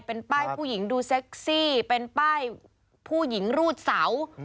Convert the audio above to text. เป็นป้ายผู้หญิงดูเซ็กซี่เป็นป้ายผู้หญิงรูดเสา